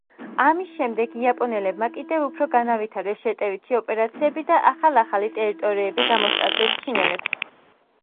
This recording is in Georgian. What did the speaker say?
ამის შემდეგ იაპონელებმა კიდევ უფრო განავითარეს შეტევითი ოპერაციები და ახალ-ახალი ტერიტორიები გამოსტაცეს ჩინელებს.